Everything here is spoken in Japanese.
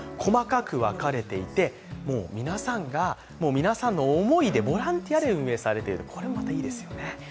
皆さんの思いで、ボランティアで運営されているこれもまたいいですよね。